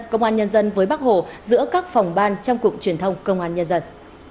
công an nhân dân với bắc hồ giữa các phòng ban trong cục truyền thông công an nhân dân